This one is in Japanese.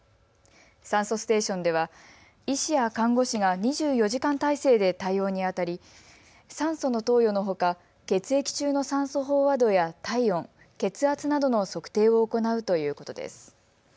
酸素ステーションでは医師や看護師が２４時間体制で対応にあたり酸素の投与のほか血液中の酸素飽和度や体温、血圧などの測定を行うということです。